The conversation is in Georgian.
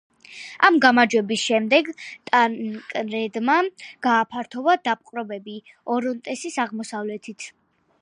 ამ გამარჯვების შემდეგ, ტანკრედმა გააფართოვა დაპყრობები ორონტესის აღმოსავლეთით.